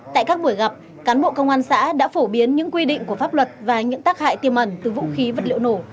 tại các buổi gặp cán bộ công an xã đã phổ biến những quy định của pháp luật và những tác hại tiềm ẩn từ vũ khí vật liệu nổ